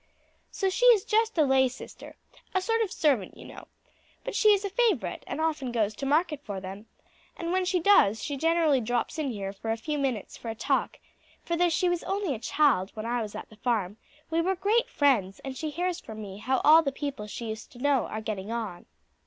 "So she is just a lay sister, a sort of servant, you know, but she is a favourite and often goes to market for them, and when she does she generally drops in here for a few minutes for a talk; for though she was only a child when I was at the farm we were great friends, and she hears from me how all the people she used to know are getting on."